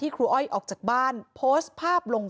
มีเรื่องอะไรมาคุยกันรับได้ทุกอย่าง